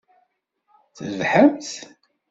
Trebḥemt?